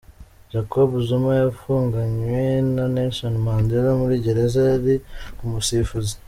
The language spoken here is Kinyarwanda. Jacob Zuma yafunganywe na Nelson Mandela, muri gereza yari umusifuzi